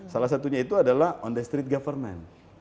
salah satunya itu adalah on the street government